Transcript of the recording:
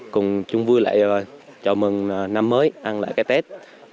cùng chung vui lại chào mừng năm mới ăn lại cái tết